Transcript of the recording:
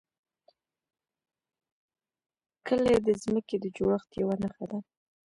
کلي د ځمکې د جوړښت یوه نښه ده.